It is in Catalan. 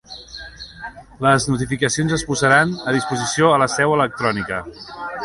Les notificacions es posaran a disposició a la Seu electrònica.